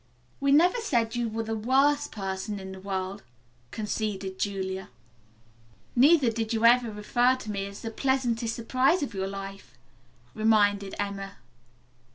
"We never said you were the worst person in the world," conceded Julia. "Neither did you ever refer to me as the 'pleasantest surprise' of your life," reminded Emma.